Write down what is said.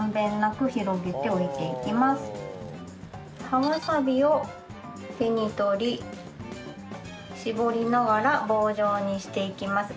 葉わさびを手に取り絞りながら棒状にしていきます。